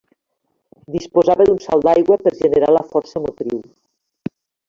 Disposava d'un salt d'aigua per generar la força motriu.